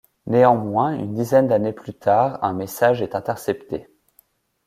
Néanmoins, une dizaine d'années plus tard, un message est intercepté.